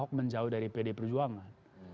ahok menjauh dari pd perjuangan